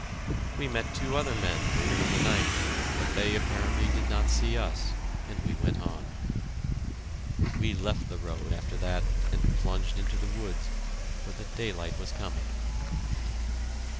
We met two other men later in the night, but they apparently did not see us, and we went on. We left the road after that, and plunged into the woods, for the daylight was coming.